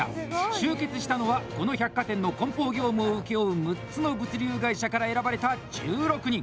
集結したのはこの百貨店の梱包業務を請け負う６つの物流会社から選ばれた１６人！